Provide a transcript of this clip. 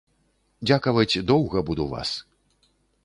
Дзякаваць доўга буду вас.